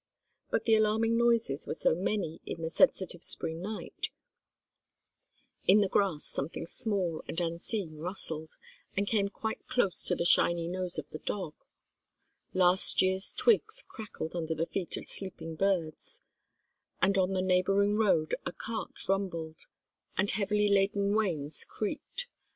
But the alarming noises were so many in the sensitive Spring night: in the grass something small and unseen rustled, and came quite close to the shiny nose of the dog; last year's twigs crackled under the feet of sleeping birds, and on the neighbouring road a cart rumbled, and heavily laden wains creaked.